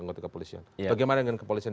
anggota kepolisian bagaimana dengan kepolisian